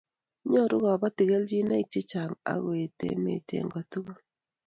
Nyoru kobotik kelchinoik chechang akoet emet eng kotugul